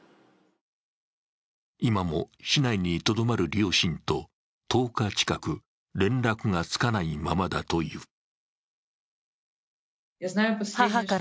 今も市内にとどまる両親と１０日近く、連絡がつかないままだという。